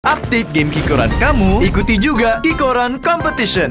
update game kikoran kamu ikuti juga kikoran competition